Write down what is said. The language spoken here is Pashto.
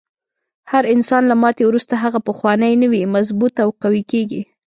هر انسان له ماتې وروسته هغه پخوانی نه وي، مضبوط او قوي کیږي.